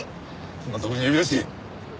こんな所に呼び出して。